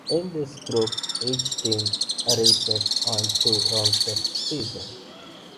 In this group each team rests on two rounds of the season.